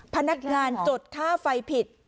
พนักงานจดค่าไฟผิด